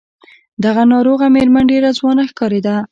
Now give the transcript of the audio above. دغه ناروغه مېرمن ډېره ځوانه ښکارېده.